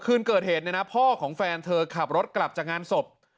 คืนเกิดเหตุเนี่ยนะพ่อของแฟนเธอขับรถกลับจากงานศพ